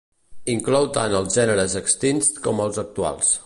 Inclou tant els gèneres extints com els actuals.